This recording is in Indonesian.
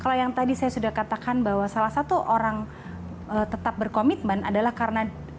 kalau yang tadi saya sudah katakan bahwa salah satu orang tetap berkomitmen adalah karena